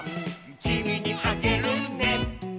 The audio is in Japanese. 「きみにあげるね」